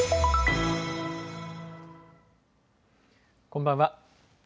こんばんは。